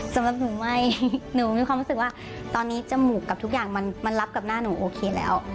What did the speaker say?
สำหรับหนูไม่หนูมีความรู้สึกว่าตอนนี้จมูกกับทุกอย่างมันรับกับหน้าหนูโอเคแล้ว